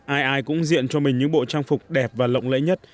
ai ai cũng diện cho mình những bộ trang phục đẹp và lộng lẫy nhất